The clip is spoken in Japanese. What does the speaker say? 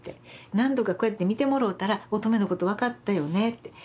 何度かこうやって見てもろうたら音十愛のこと分かったよねって。